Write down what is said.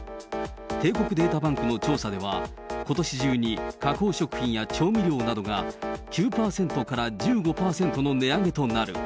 帝国データバンクの調査では、ことし中に、加工食品や調味料などが９％から１５％の値上げとなる。